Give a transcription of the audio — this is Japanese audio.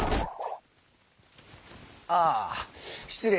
ああ失礼。